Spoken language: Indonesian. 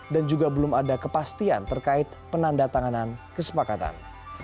dan juga belum ada kepastian terkait penanda tanganan kesepakatan